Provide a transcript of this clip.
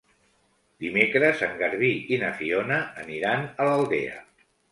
Dimecres en Garbí i na Fiona aniran a l'Aldea.